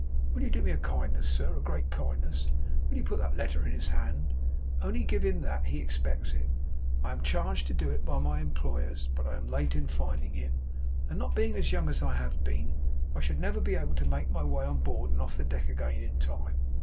'Will you do me a kindness, sir, a great kindness? Will you put that letter in his hand? Only give him that! He expects it. I am charged to do it by my employers, but I am late in finding him, and, not being as young as I have been, should never be able to make my way on board and off the deck again in time.